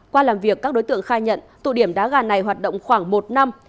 qua làm việc các đối tượng khai nhận tụ điểm đá gà này hoạt động khoảng một năm